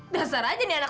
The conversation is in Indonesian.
dasar aja nih anak